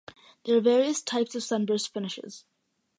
There are various types of sunburst finishes.